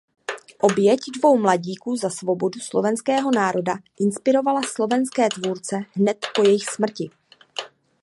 Oběť dvou mladíků za svobodu slovenského národa inspirovala slovenské tvůrce hned po jejich smrti.